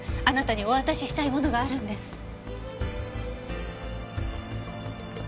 あなたにお渡ししたいものがあるんです。